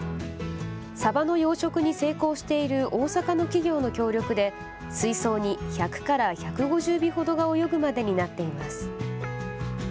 サバの養殖に成功している大阪の企業の協力で水槽に１００から１５０尾ほどが泳ぐまでになっています。